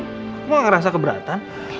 kamu gak ngerasa keberatan